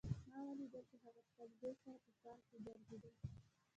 ما ولیدل چې هغه د خپل زوی سره په پارک کې ګرځېده